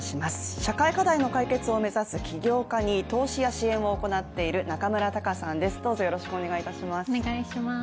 社会課題の解決を目指す起業家に投資や支援を行っている中村多伽さんです。